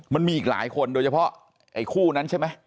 มันมีอีกหลายคนโดยเฉพาะไอ้คู่นั้นใช่ไหม